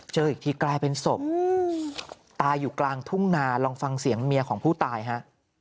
เจออีกทีกลายเป็นศพตายอยู่กลางทุ่งนาลองฟังเสียงเมียของผู้ตายฮะ